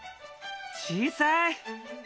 小さい！